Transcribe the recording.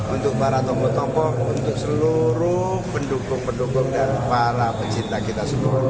untuk para tokoh tokoh untuk seluruh pendukung pendukung dan para pecinta kita semua